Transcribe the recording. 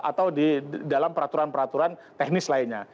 atau di dalam peraturan peraturan teknis lainnya